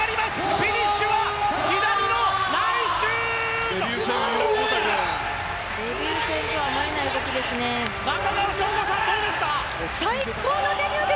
フィニッシュは左のナイスシュート！